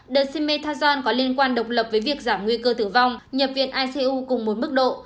đợt shimeazan có liên quan độc lập với việc giảm nguy cơ tử vong nhập viện icu cùng một mức độ